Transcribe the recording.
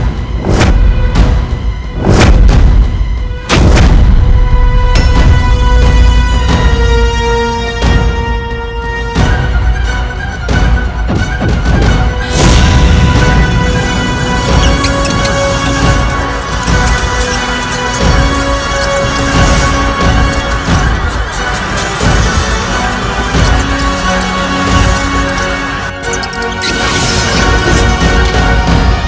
kita harus mendapatkan makanan